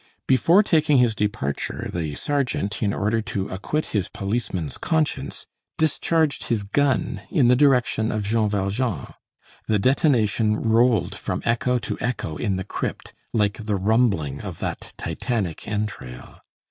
Before taking his departure, the sergeant, in order to acquit his policeman's conscience, discharged his gun in the direction of Jean Valjean. The detonation rolled from echo to echo in the crypt, like the rumbling of that titanic entrail.